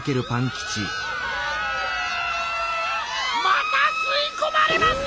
またすいこまれます！